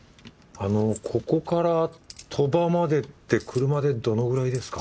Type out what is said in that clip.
あのここから鳥羽までって車でどのくらいですか？